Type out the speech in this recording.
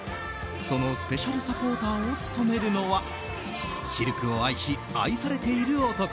そのスペシャルサポーターを務めるのはシルクを愛し、愛されている男